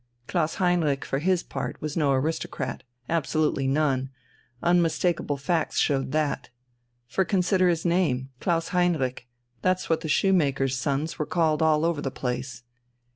Klaus Heinrich for his part was no aristocrat, absolutely none, unmistakable facts showed that. For consider his name, Klaus Heinrich, that's what the shoemaker's sons were called all over the place.